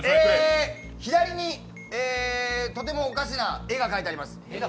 左にとてもおかしな絵が描いてあります。